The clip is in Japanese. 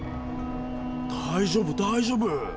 大丈夫大丈夫。